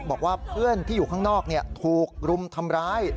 บอกว่าเพื่อนที่อยู่ข้างนอกถูกรุมทำร้าย